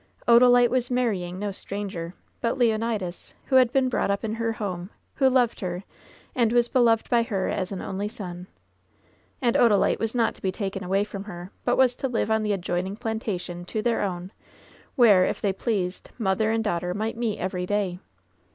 Oda lite was marrying no stranger, but Leonidas, who had been brought up in her home, who loved her, and was beloved by her as an only son. And Odalite was not to be taken away from her, but was to live on the adjoining plantation to their own, where, if they pleased, mother and daughter might meet every day.